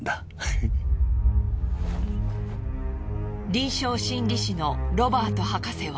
臨床心理士のロバート博士は。